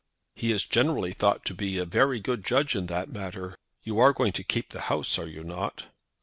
"He is generally thought to be a very good judge in that matter. You are going to keep the house, are you not?"